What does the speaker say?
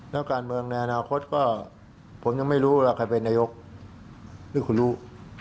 แล้วการเมืองในอนาคตก็ผมยังไม่รู้ว่าใครเป็นนายกหรือคุณรู้